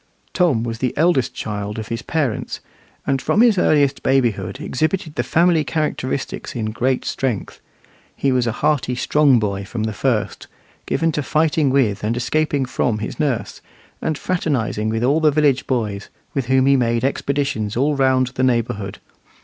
Tom was the eldest child of his parents, and from his earliest babyhood exhibited the family characteristics in great strength. He was a hearty, strong boy from the first, given to fighting with and escaping from his nurse, and fraternizing with all the village boys, with whom he made expeditions all round the neighbourhood.